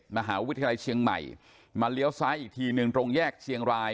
มหาวิทยาลัยเชียงใหม่มาเลี้ยวซ้ายอีกทีหนึ่งตรงแยกเชียงราย